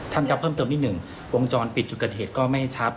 ครับเพิ่มเติมนิดหนึ่งวงจรปิดจุดเกิดเหตุก็ไม่ให้ชัด